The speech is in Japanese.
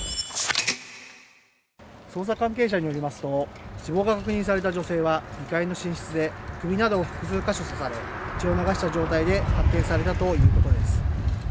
捜査関係者によりますと死亡が確認された女性は２階の寝室で首などを複数箇所刺され血を流した状態で発見されたということです。